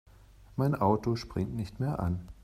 Mein Auto springt nicht mehr an.